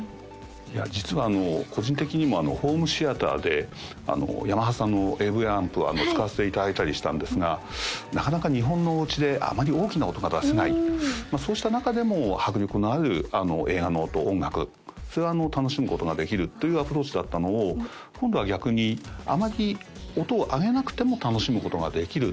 実は個人的にもホームシアターでヤマハさんのＡＶアンプは使わせていただいたりしたんですがなかなか日本のおうちであまり大きな音が出せないそうした中でも迫力のあるエアの音音楽それを楽しむことができるというアプローチだったのを今度は逆にあまり音を上げなくても楽しむことができる